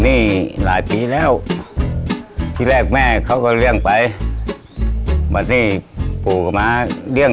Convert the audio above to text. ไปหาปูหาปลาหากุ้งเขาก็จะช่วย